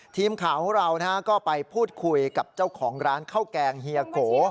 ทีมข่าวของเราก็ไปพูดคุยกับเจ้าของร้านข้าวแกงเฮียโก